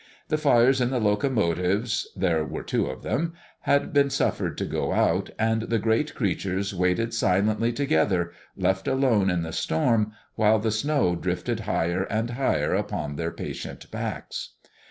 The fires in the locomotives (there were two of them), had been suffered to go out, and the great creatures waited silently together, left alone in the storm, while the snow drifted higher and higher upon their patient backs.